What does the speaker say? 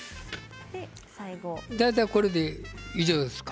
大体これで以上ですか。